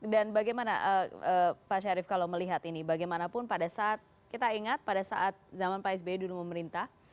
dan bagaimana pak syarif kalau melihat ini bagaimanapun pada saat kita ingat pada saat zaman pak sby dulu memerintah